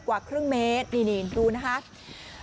กว่าครึ่งเมตรนี่ดูนะคะ